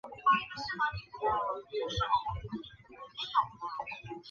毕业于重庆大学研究生专业。